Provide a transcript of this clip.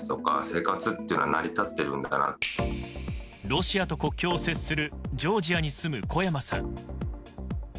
ロシアと国境を接するジョージアに住む小山さん。